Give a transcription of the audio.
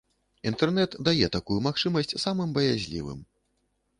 Інтэрнэт дае такую магчымасць самым баязлівым.